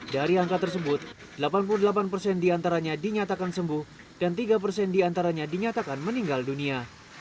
dari angka tersebut delapan puluh delapan persen diantaranya dinyatakan sembuh dan tiga persen diantaranya dinyatakan meninggal dunia